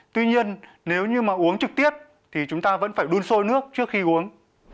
tuy nhiên nếu như mà uống trực tiếp thì chúng ta vẫn phải đun sôi nước trước khi uống